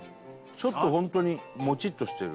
ちょっと本当に、もちっとしてる。